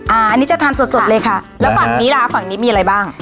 อันนี้จะทานสดสดเลยค่ะแล้วฝั่งนี้ล่ะฝั่งนี้มีอะไรบ้าง